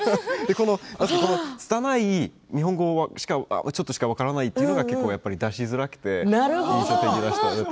その、つたない日本語をちょっとしか分からないというのが結構、出しづらくて印象的でしたね。